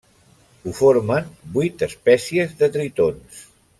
Ho formen vuit espècies de tritons.